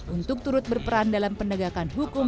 untuk turut berperan dalam penegakan hukum tindak pidana korupsi